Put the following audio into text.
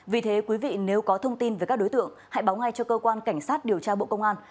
vì thế quý vị nếu có thông tin về các đối tượng hãy báo ngay cho cơ quan cảnh sát điều tra bộ công an